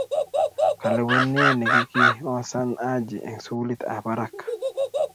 Kalewenee ne kikiosan Haji eng sukulit ne bo barak.